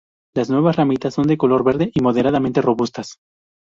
Las nuevas ramitas son de color verde y moderadamente robustas.